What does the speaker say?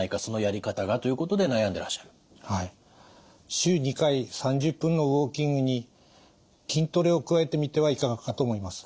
週２回３０分のウォーキングに筋トレを加えてみてはいかがかと思います。